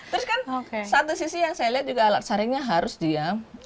terus kan satu sisi yang saya lihat juga alat saringnya harus diam